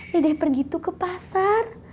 dede pergi tuh ke pasar